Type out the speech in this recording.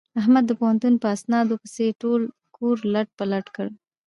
احمد د پوهنتون په اسنادونو پسې ټول کور لت پت کړ.